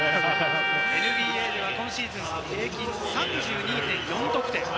ＮＢＡでは今シーズン平均３２．４得点。